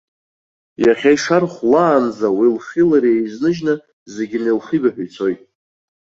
Иахьа ишар хәлаанӡа уи лхи лареи еизныжьны, зегьы налхибаҳәа ицоит.